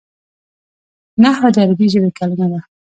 نحوه د عربي ژبي کلیمه ده.